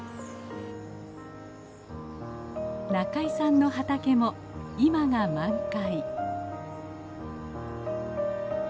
仲井さんの畑も今が満開。